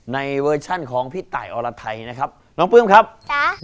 เวอร์ชันของพี่ตายอรไทยนะครับน้องปลื้มครับจ้ะ